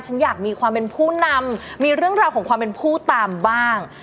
ฉันอยากมีความเป็นผู้นำมีเรื่องราวของความเป็นผู้ตามบ้าง